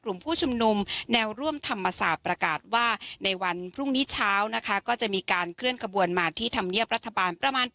กลุ่มผู้ชุมนุมแนวร่วมธรรมศาสตร์ประกาศว่าในวันพรุ่งนี้เช้านะคะก็จะมีการเคลื่อนขบวนมาที่ธรรมเนียบรัฐบาลประมาณ